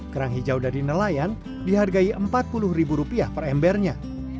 kerang hijau dari nelayan dihargai rp empat puluh ribu rupiah per embernya